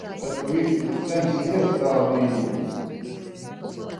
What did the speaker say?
Tas taču ir tik sens iestādījums!